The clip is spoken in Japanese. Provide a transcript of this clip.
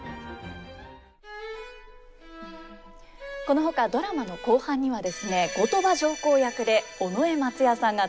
このほかドラマの後半にはですね後鳥羽上皇役で尾上松也さんが登場します。